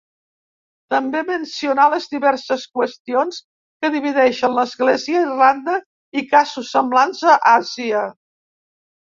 També mencionà les diverses qüestions que divideixen l'Església a Irlanda i casos semblants a Àsia.